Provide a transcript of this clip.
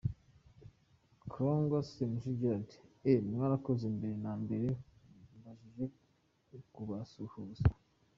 Karangwa Semushi Gerard :eeh…Murakoze !mbere na mbere mbajije kubasuhuza